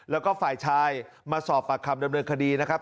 แล้วก็ฝ่ายชายมาสอบปากคำดำเนินคดีนะครับ